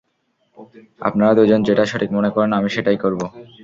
আপনারা দুজন যেটা সঠিক মনে করেন আমি সেটাই করব।